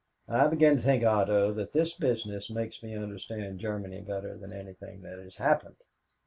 I begin to think, Otto, that this business makes me understand Germany better than anything that has happened.